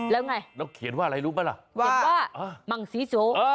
แล้วไงเขียนว่าอะไรรู้ปะล่ะว่าว่ามังซีโซ